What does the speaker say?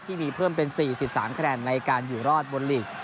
ที่มีเพิ่มเป็น๔๓คะแนนในการอยู่รอดบนหลีก